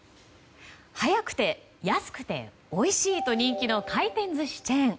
早くて安くて、おいしいと人気の回転寿司チェーン。